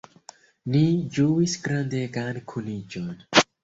Ni ĝuis grandegan kuniĝon.